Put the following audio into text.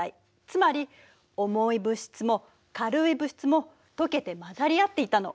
つまり重い物質も軽い物質も溶けて混ざり合っていたの。